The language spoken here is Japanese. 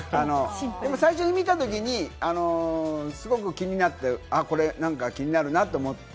最初に見たときに、すごく気になって、これなんか気になるなと思った。